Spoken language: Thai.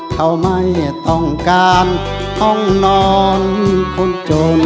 เขาไม่ต้องการห้องนอนคนจน